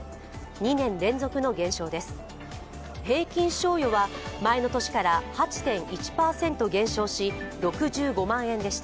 ２年連続の減少です。